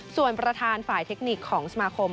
ส่วนประธานฝ่ายเทคนิคของสมาคม